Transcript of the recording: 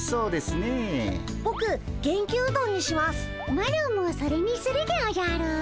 マロもそれにするでおじゃる。